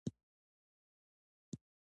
که باران وشي نو موږ به د شکر سجدې وکړو.